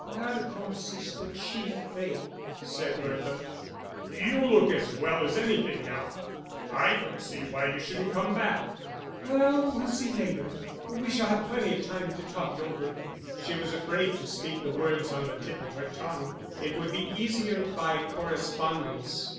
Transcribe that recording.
"That of course is the chief thing," said Bertha. "You look as well as anything now. I don't see why you shouldn't come back." "Well, we'll see later. We shall have plenty of time to talk it over." She was afraid to speak the words on the tip of her tongue; it would be easier by correspondence.